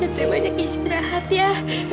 teteh banyak istirahat ya